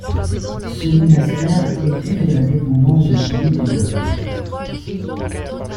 Ce monastère était de la dépendance de celui de Dol.